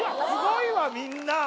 スゴいわみんな。